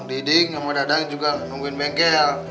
didik sama dadang juga nungguin bengkel